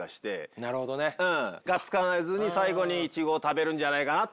・なるほどね・がっつかずに最後にイチゴを食べるんじゃないかなと。